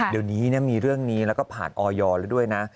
เดี๋ยวนี้มีเรื่องนี้แล้วก็ผ่านออยแล้วด้วยนะ